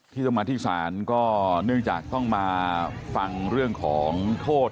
ที่ต้องมาที่ศาลก็เนื่องจากต้องมาฟังเรื่องของโทษ